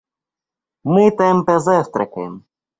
Мы там позавтракаем.